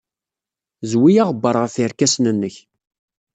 Zwi aɣebbar ɣef yerkasen-nnek.